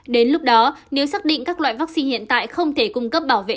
đến lúc đó nếu xác định các loại vaccine hiện tại không thể cung cấp bảo vệ